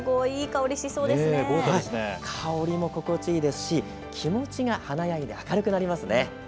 香りも心地いいですし、気持ちが華やいで明るくなりますね。